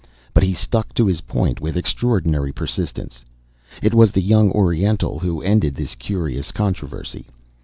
But he stuck to his point with extraordinary persistence. It was the young Oriental who ended this curious controversy.